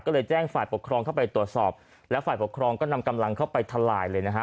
ก็เลยแจ้งฝ่ายปกครองเข้าไปตรวจสอบและฝ่ายปกครองก็นำกำลังเข้าไปทลายเลยนะฮะ